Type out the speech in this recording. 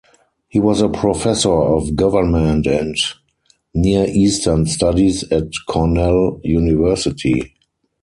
He was a Professor of Government and Near Eastern Studies at Cornell University.